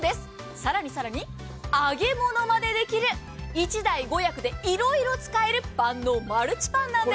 さらにさらに、揚げ物までできる１台５役でいろいろ使える万能マルチパンなんです。